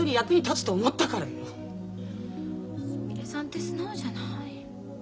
すみれさんって素直じゃない。